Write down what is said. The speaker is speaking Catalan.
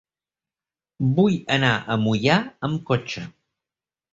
Vull anar a Moià amb cotxe.